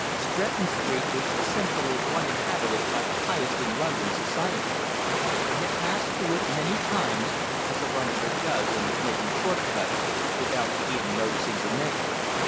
Stretton Street was essentially one inhabited by the highest in London society. I had passed through it many times as a Londoner does in making short cuts without even noticing the name.